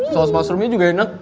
saus mushroomnya juga enak